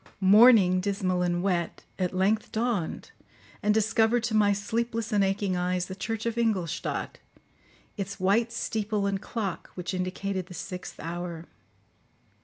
Morning, dismal and wet, at length dawned and discovered to my sleepless and aching eyes the church of Ingolstadt, its white steeple and clock, which indicated the sixth hour.